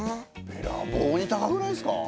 べらぼうに高くないですか？